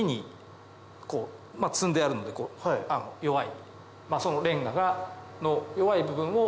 積んであるので弱い。